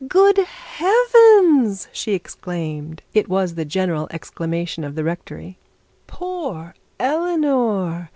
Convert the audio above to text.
'Good heavens!' she exclaimed it was the general exclamation of the rectory. 'Poor Eleanor!